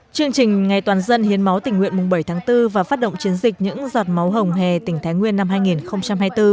chương trình ngày toàn dân hiến máu tỉnh nguyện mùng bảy tháng bốn và phát động chiến dịch những giọt máu hồng hè tỉnh thái nguyên năm hai nghìn hai mươi bốn